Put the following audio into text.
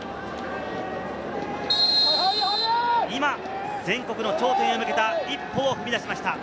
今、全国の頂点へ向けた一歩を踏み出しました。